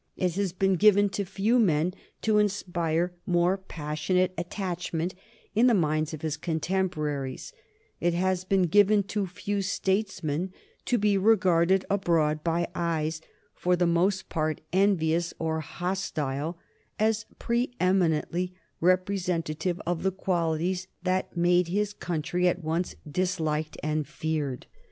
It has been given to few men to inspire more passionate attachment in the minds of his contemporaries; it has been given to few statesmen to be regarded abroad, by eyes for the most part envious or hostile, as pre eminently representative of the qualities that made his country at once disliked and feared.